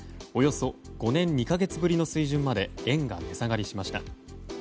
およそ５年２か月ぶりの水準まで円が値下がりしました。